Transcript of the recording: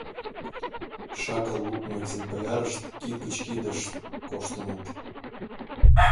Шагал лукмо экземплярышт кид гыч кидыш коштыныт.